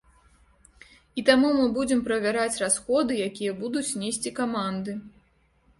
І таму мы будзем правяраць расходы, якія будуць несці каманды.